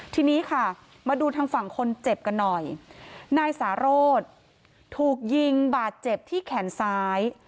ทีนี้ค่ะมาดูทางฝั่งคนเจ็บกันหน่อยนายสารโรธถูกยิงบาดเจ็บที่แขนซ้าย